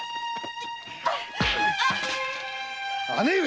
姉上！